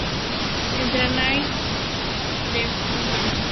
Entertainment, Lee Soo-man.